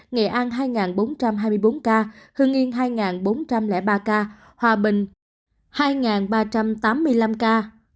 nghệ an hai bốn trăm hai mươi bốn ca hương yên hai bốn trăm linh ba ca hòa bình hai ba trăm tám mươi năm ca